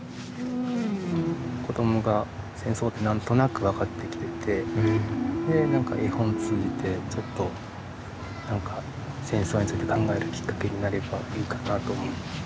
子どもが戦争って何となく分かってきててで何か絵本通じてちょっと何か戦争について考えるきっかけになればいいかなと思ったからです。